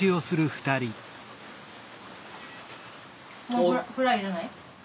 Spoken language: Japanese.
もうフライ要らない？